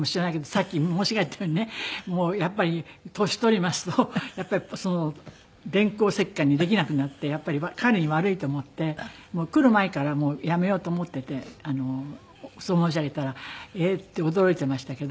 さっき申し上げたようにねもうやっぱり年取りますとやっぱり電光石火にできなくなって彼に悪いと思って来る前からもう辞めようと思っていてそう申し上げたら「えっ？」って驚いていましたけど。